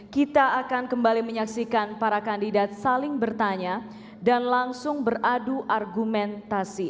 kita akan kembali menyaksikan para kandidat saling bertanya dan langsung beradu argumentasi